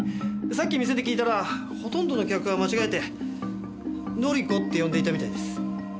さっき店で聞いたらほとんどの客は間違えて「のりこ」って呼んでいたみたいです。